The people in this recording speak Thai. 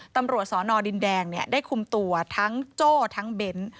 ตำรวจสอนอดินแดงได้คุมตัวทั้งโจ้ทั้งเบ้น